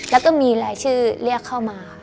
แล้วก็มีรายชื่อเรียกเข้ามา